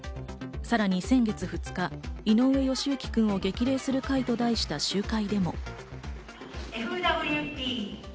さらに先月２日、井上よしゆき君を激励する会と題した集会でも。